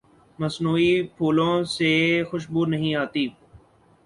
مصنوعی پھولوں سے خوشبو نہیں آتی۔